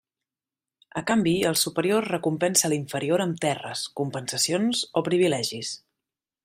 A canvi, el superior recompensa l'inferior amb terres, compensacions, o privilegis.